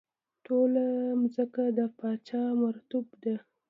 ټوله ځمکه د پاچا مربوط ده.